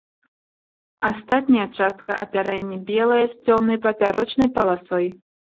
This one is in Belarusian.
Астатняя частка апярэння белая з цёмнай папярочнай паласой.